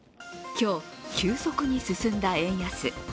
今日、急速に進んだ円安。